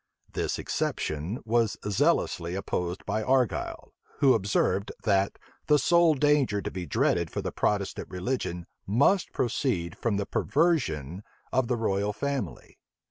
This exception was zealously opposed by Argyle; who observed, that the sole danger to be dreaded for the Protestant religion must proceed from the perversion of the royal family.